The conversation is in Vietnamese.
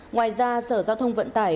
ngoài ra sở giao thông vận tải